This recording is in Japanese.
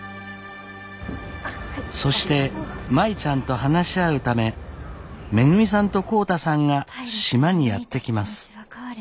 そして舞ちゃんと話し合うためめぐみさんと浩太さんが島にやって来ます。